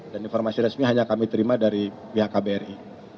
dan informasi resmi hanya kami terima dari pihak kbri terima kasih